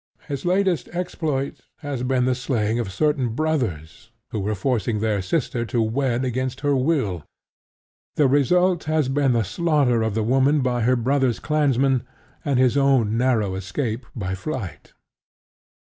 His latest exploit has been the slaying of certain brothers who were forcing their sister to wed against her will. The result has been the slaughter of the woman by her brothers' clansmen, and his own narrow escape by flight.